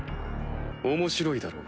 面白いだろう？